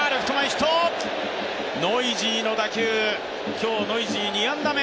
今日、ノイジー２安打目。